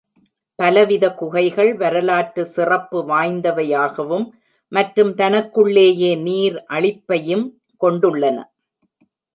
பலவித குகைகள் வரலாற்று சிறப்பு வாய்ந்தவையாகவும் மற்றும் தனக்குள்ளேயே நீர் அளிப்பையும் கொண்டுள்ளன.